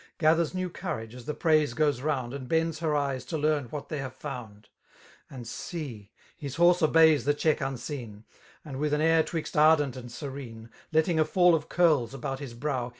19 Gathers i^ew cOttitige as the praise goes TOttnd» And bends her eyes to learn what i^ney haT« fimnd; And see^— rhis horse obeys the check tmseen; And Mviih an air 'twixt anient and serene^ Letting a fell oi ourk about his brow.